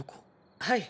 はい。